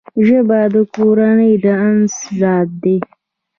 ژبه د کورنۍ د انس راز دی